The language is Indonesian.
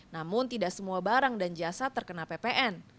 namun tidak semua barang dan jasa terkena ppn